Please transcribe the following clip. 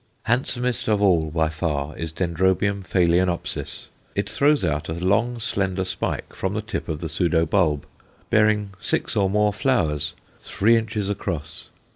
Handsomest of all by far is D. phaloenopsis. It throws out a long, slender spike from the tip of the pseudo bulb, bearing six or more flowers, three inches across.